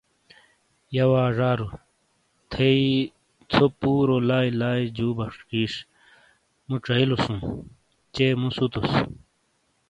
یہہ وا زارو، تھئی ژھو پُورو لائی لائی جُو بشخِیش۔ مو چائیلوسُوں۔ چے مُو سُتوس۔